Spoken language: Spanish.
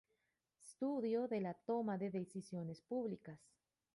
Estudio de la toma de decisiones públicas.